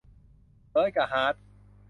เบิร์ดกะฮาร์ท